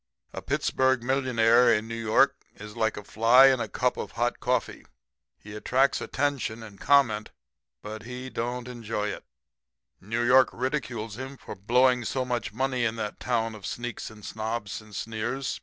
"'A Pittsburg millionaire in New York is like a fly in a cup of hot coffee he attracts attention and comment, but he don't enjoy it. New York ridicules him for "blowing" so much money in that town of sneaks and snobs, and sneers.